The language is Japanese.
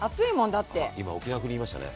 あっ今沖縄風に言いましたね？